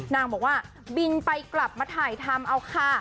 นางบอกว่าบินไปกลับมาถ่ายทำเอาค่ะ